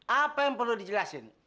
apa yang perlu dijelasin